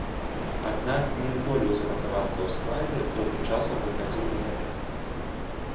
Аднак, не здолеў замацавацца ў складзе, толькі часам выхадзіў на замену.